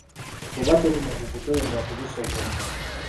Bw'oba toli mukugu toyinza kubisobola.